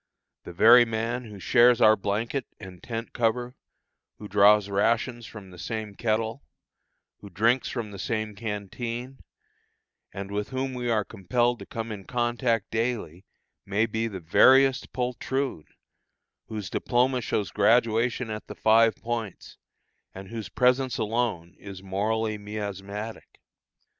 The very man who shares our blanket and tent cover, who draws rations from the same kettle, who drinks from the same canteen, and with whom we are compelled to come in contact daily, may be the veriest poltroon, whose diploma shows graduation at the Five Points, and whose presence alone is morally miasmatic.